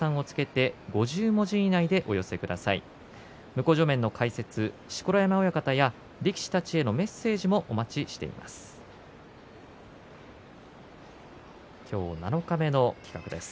向正面の解説、錣山親方や力士たちへのメッセージもお待ちしています。